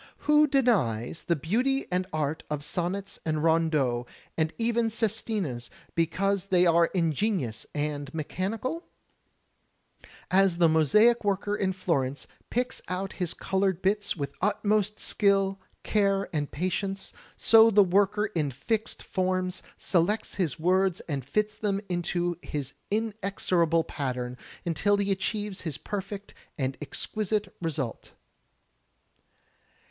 Who denies the beauty and art of sonnets and rondeaux, and even sestinas, because they are ingenious and mechanical? 1 6 THE TECHNIQUE OF THE MYSTERY STORY As the mosaic worker in Florence picks out his colored bits with utmost skill, care and patience, so the worker in Fixed Forms selects his words and fits them into his inexorable pattern imtil he achieves his perfect and exquisite result.